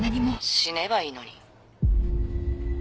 死ねばいいのに。